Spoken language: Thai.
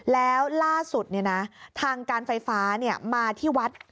แล้วล่าสุดเนี่ยนะทางการไฟฟ้าเนี่ยมาที่วัด